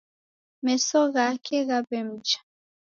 Meso ghake ghaw'emja